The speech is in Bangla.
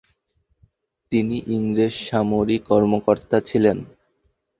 তিনি ইংরেজ সামরিক কর্মকর্তা ছিলেন।